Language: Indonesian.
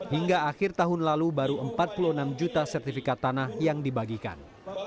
hingga akhir tahun lalu baru empat puluh enam juta sertifikat tanah yang dibagikan